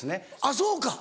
そうか。